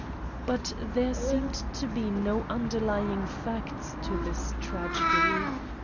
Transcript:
But there seemed to be no underlying facts to this tragedy.